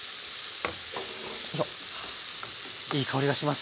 いい香りがします。